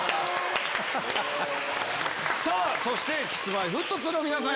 そしてＫｉｓ−Ｍｙ−Ｆｔ２の皆さん